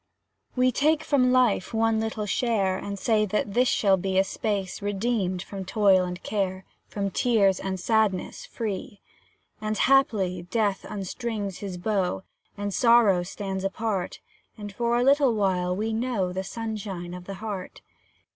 We take from life one little share, And say that this shall be A space, redeemed from toil and care, From tears and sadness free. And, haply, Death unstrings his bow, And Sorrow stands apart, And, for a little while, we know The sunshine of the heart.